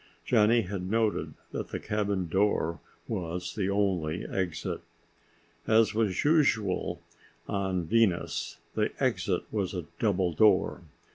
Johnny had noted that the cabin door was the only exit. As was usual on Venus, the exit was a double door.